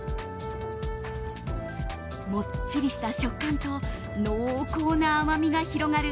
もっちりした食感と濃厚な甘みが広がる